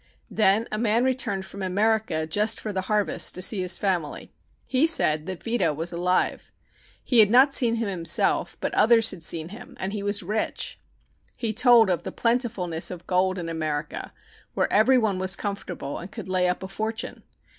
Then a man returned from America just for the harvest to see his family. He said that Vito was alive. He had not seen him himself, but others had seen him and he was rich. He told of the plentifulness of gold in America, where every one was comfortable and could lay up a fortune.